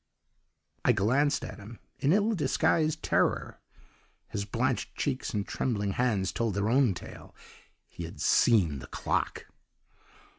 "I glanced at him in ill disguised terror. His blanched cheeks and trembling hands told their own tale he had seen the clock.